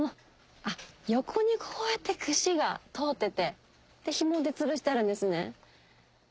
横にこうやって串が通っててひもでつるしてあるんですね。